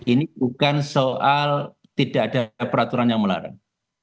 ini bukan soal tidak ada peraturan yang melarang